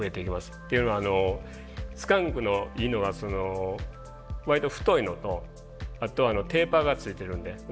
っていうのはスカンクのいいのは割と太いのとあとテイパーがついてるんで。